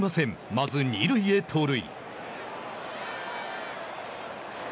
まず二塁へ盗塁。